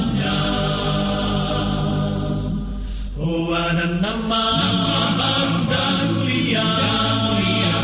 baru datang dengan tentang kita masing